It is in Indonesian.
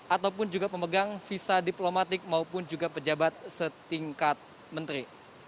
ataupun juga pemegang visa diplomatik maupun juga pejabat setingkat menteri